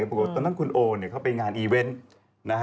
ปรากฏว่าตอนนั้นคุณโอเขาไปงานอีเวนต์